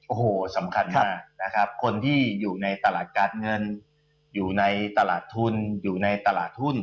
โอ้โหสำคัญมากนะครับคนที่อยู่ในตลาดการเงินอยู่ในตลาดทุนอยู่ในตลาดหุ้น